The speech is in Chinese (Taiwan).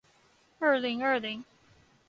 二零二零